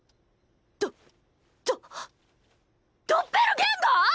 ドドドッペルゲンガー⁉